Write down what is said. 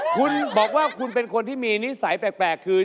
คุณบอกว่าคุณเป็นคนที่มีนิสัยแปลกคือ